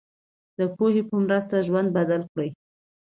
د پوهې په مرسته ژوند بدل کړئ.